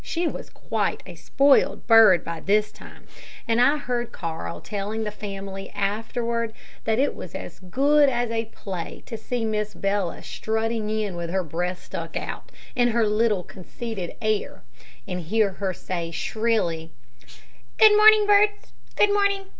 She was quite a spoiled bird by this time, and I heard Carl telling the family afterward that it was as good as a play to see Miss Bella strutting in with her breast stuck out, and her little, conceited air, and hear her say, shrilly, "Good morning, birds, good morning!